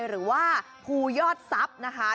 หรือว่าภูยอดภูยา